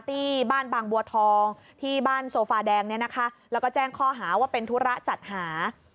ที่บ้านบางบัวทองที่บ้านโซฟาแดงเนี่ยนะคะแล้วก็แจ้งข้อหาว่าเป็นธุระจัดหา